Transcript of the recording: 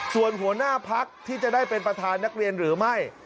ส่วนหัวหน้าพักที่จะได้เป็นประธานนักเรียนหรือไม่